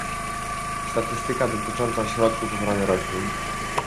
Statystyka dotycząca środków ochrony roślin